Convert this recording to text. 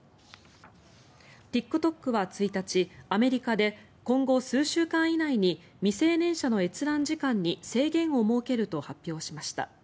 ＴｉｋＴｏｋは１日アメリカで今後数週間以内に未成年者の閲覧時間に制限を設けると発表しました。